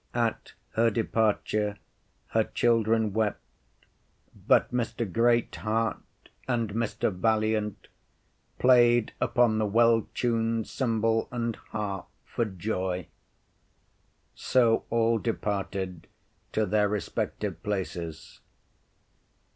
At her departure her children wept, but Mr. Great heart and Mr. Valiant played upon the well tuned cymbal and harp for joy. So all departed to their respective places.